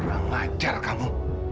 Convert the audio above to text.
gak ngajar kamu